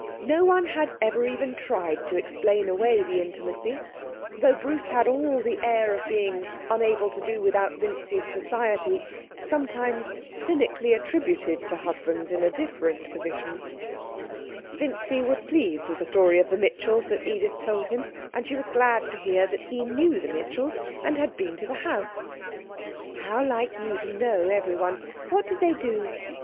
No one had ever even tried to explain away the intimacy, though Bruce had all the air of being unable to do without Vincy's society sometimes cynically attributed to husbands in a different position. Vincy was pleased with the story of the Mitchells that Edith told him, and she was glad to hear that he knew the Mitchells and had been to the house. 'How like you to know everyone. What did they do?'